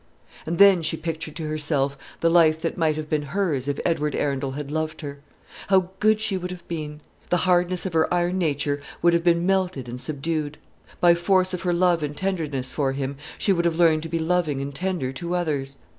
And then she pictured to herself the life that might have been hers if Edward Arundel had loved her. How good she would have been! The hardness of her iron nature would have been melted and subdued. By force of her love and tenderness for him, she would have learned to be loving and tender to others.